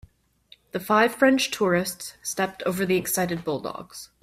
The five French tourists stepped over the excited bulldogs.